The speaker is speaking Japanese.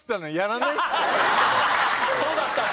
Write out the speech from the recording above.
そうだったんだ。